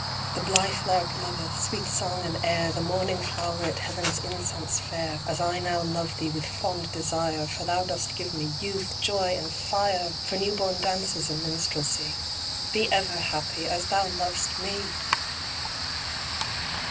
The blithe lark loveth Sweet song and air, The morning flow'ret Heav'n's incense fair, As I now love thee With fond desire, For thou dost give me Youth, joy, and fire, For new born dances And minstrelsy. Be ever happy, As thou lov'st me!